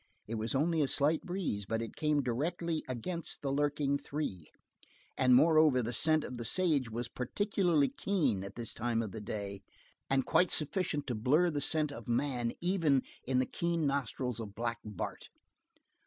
It was only a slight breeze, but it came directly against the lurking three; and moreover the scent of the sage was particularly keen at this time of the day, and quite sufficient to blur the scent of man even in the keen nostrils of Black Bart.